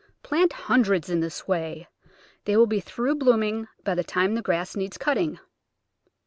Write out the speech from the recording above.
Plant hundreds in this way; they will be through blooming by the time the grass needs cutting.